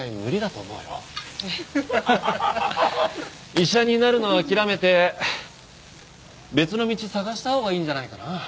医者になるのは諦めて別の道探したほうがいいんじゃないかな？